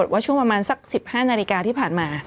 ว่าช่วงประมาณสัก๑๕นาฬิกาที่ผ่านมา